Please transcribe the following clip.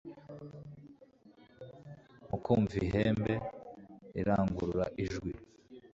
mukumva ihembe riranguruye ijwi